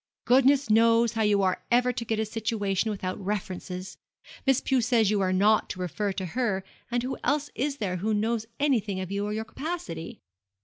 'Goodness knows how you are ever to get a situation without references. Miss Pew says you are not to refer to her; and who else is there who knows anything of you or your capacity?'